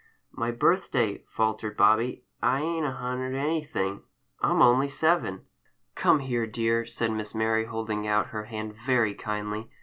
'" "My birthday," faltered Bobby. "I ain't a hundred anything, I'm only seven." "Come here, dear!" said Miss Mary, holding out her hand very kindly.